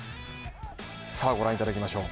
さあご覧いただきましょう。